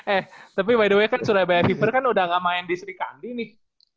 eh tapi by the way kan suraya wbl viver kan udah gak main di sri kandi nih